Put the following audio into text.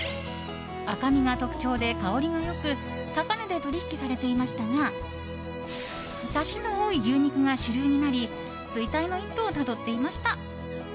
赤身が特徴で香りが良く高値で取引されていましたがサシの多い牛肉が主流になり衰退の一途をたどっていました。